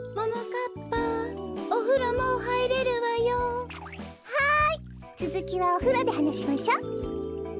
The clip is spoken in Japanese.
かっぱおふろもうはいれるわよ。はいつづきはおふろではなしましょ。